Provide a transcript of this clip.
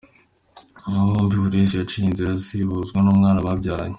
Aba bombi buri wese yaciye inzira ze, bahuzwa n’umwana babyaranye.